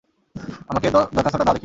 আমাকে দরখাস্তটা দাও দেখি।